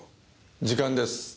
時間です。